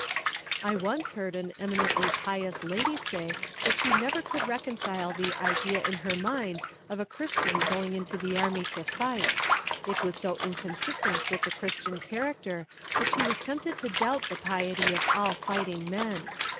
I once heard an eminently pious lady say that she never could reconcile the idea in her mind of a christian going into the army to fight; it was so inconsistent with the christian character that she was tempted to doubt the piety of all fighting men.